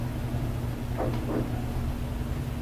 Alipata kupigana vita ya pili ya dunia chini